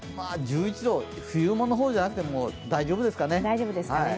１１度、冬物ほどじゃなくても大丈夫ですかね。